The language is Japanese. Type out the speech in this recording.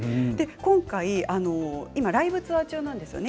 今回今ライブツアー中なんですよね。